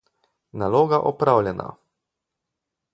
Naloga opravljena!